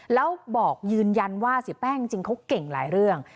แล้วบอกยืนยันว่าเสียแป้งจริงเขาเก่งหลายเรื่อง